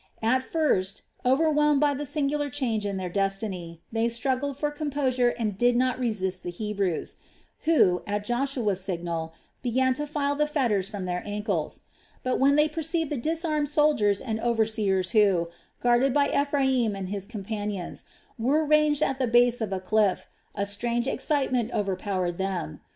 At first, overwhelmed by the singular change in their destiny, they struggled for composure and did not resist the Hebrews, who, at Joshua's signal, began to file the fetters from their ankles; but when they perceived the disarmed soldiers and overseers who, guarded by Ephraim and his companions, were ranged at the base of a cliff, a strange excitement overpowered them.